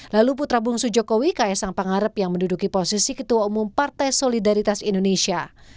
lalu putra bungsu jokowi ks sang pangarep yang menduduki posisi ketua umum partai solidaritas indonesia